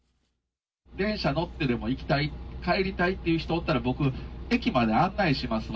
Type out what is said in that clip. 電車乗ってでも行きたい、帰りたいっていう人おったら、僕、駅まで案内しますわ。